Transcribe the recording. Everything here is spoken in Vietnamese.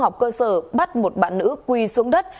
học cơ sở bắt một bạn nữ quy xuống đất